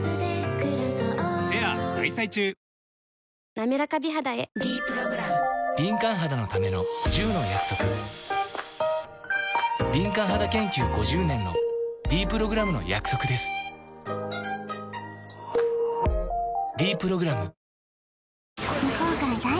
なめらか美肌へ「ｄプログラム」敏感肌研究５０年のｄプログラムの約束です「ｄプログラム」